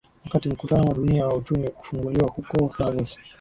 wakati mkutano wa dunia wa uchumi kufunguliwa huko davos